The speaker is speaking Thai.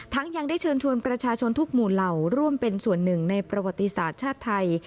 ยังได้เชิญชวนประชาชนทุกหมู่เหล่าร่วมเป็นส่วนหนึ่งในประวัติศาสตร์ชาติไทย